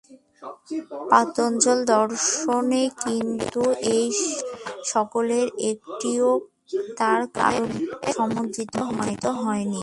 পাতঞ্জল-দর্শনে কিন্তু এ-সকলের একটিও তার কারণ বলে সমর্থিত হয়নি।